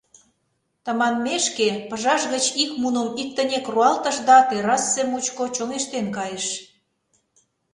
Тыманмешке пыжаш гыч ик муным иктынек руалтыш да террасе мучко чоҥештен кайыш.